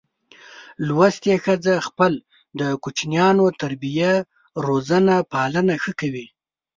لوستي ښځه خپل د کوچینیانو تربیه روزنه پالنه ښه کوي.